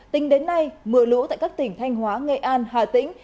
tính đến nay mưa lũ tại các tỉnh thanh hóa nghệ an hà tĩnh